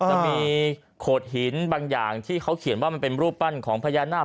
จะมีโขดหินบางอย่างที่เขาเขียนว่ามันเป็นรูปปั้นของพญานาค